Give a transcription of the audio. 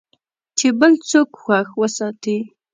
چې بل څوک خوښ وساتې .